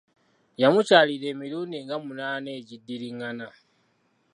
Yamukyalira emirundi nga munaana egidiringana.